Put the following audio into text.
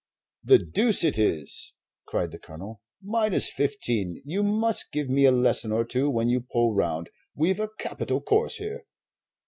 "The deuce it is!" cried the Colonel. "Mine is fifteen. You must give me a lesson or two when you pull round. We've a capital course here."